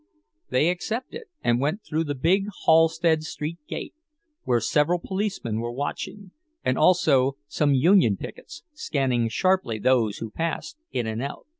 They accepted, and went through the big Halsted Street gate, where several policemen were watching, and also some union pickets, scanning sharply those who passed in and out.